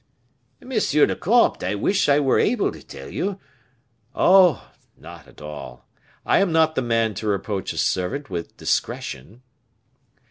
"Monsieur le comte, I wish I were able to tell you " "Oh, not at all; I am not the man to reproach a servant with discretion."